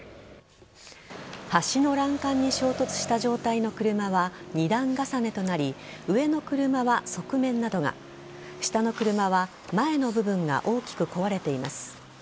橋の欄干に衝突した状態の車は２段重ねとなり上の車は側面などが下の車は前の部分が大きく壊れています。